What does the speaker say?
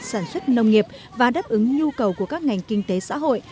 sản xuất nông nghiệp và đáp ứng nhu cầu của các ngành kinh tế xã hội